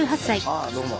あっどうも。